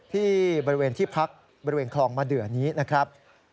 ที่บริเวณที่พักบริเวณคลองมะเดือนี้นะครับ